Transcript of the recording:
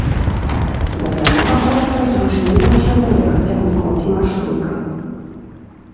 Да самога горада зручней за ўсё даехаць цягніком ці маршруткай.